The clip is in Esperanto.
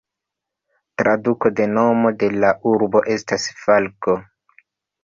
Traduko de nomo de la urbo estas "falko".